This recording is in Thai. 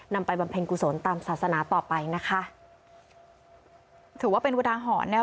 ไปบำเพ็ญกุศลตามศาสนาต่อไปนะคะถือว่าเป็นอุทาหรณ์เนี่ย